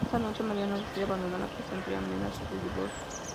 Esa noche, Mariano decide abandonar la casa, entre amenazas de divorcio.